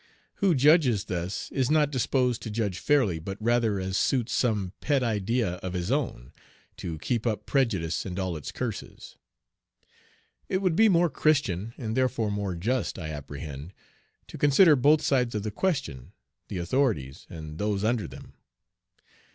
Who judges thus is not disposed to judge fairly, but rather as suits some pet idea of his own, to keep up prejudice and all its curses. It would be more Christian, and therefore more just, I apprehend, to consider both sides of the question, the authorities and those under them.